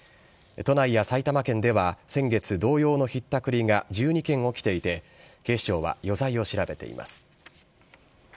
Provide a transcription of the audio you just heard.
都内や埼玉県では先月、同様のひったくりが１２件起きていて、警視庁は余罪を調べています。